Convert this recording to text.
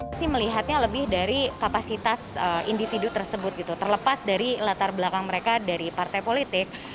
pasti melihatnya lebih dari kapasitas individu tersebut terlepas dari latar belakang mereka